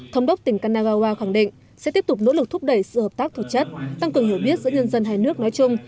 thống đốc tỉnh kanagawa khẳng định sẽ tiếp tục nỗ lực thúc đẩy sự hợp tác thực chất tăng cường hiểu biết giữa nhân dân hai nước nói chung